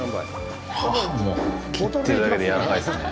もう切ってるだけでやわらかいですね。